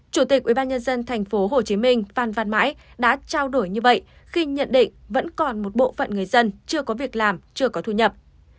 chủ tịch ubnd tp hcm phan văn mãi đã trao đổi như vậy khi nhận định vẫn còn một bộ phận người dân chưa có việc làm chưa có thu nhập